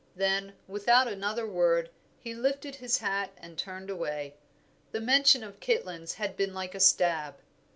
Then, without another word, he lifted his hat and turned away; the mention of Kitlands had been like a stab.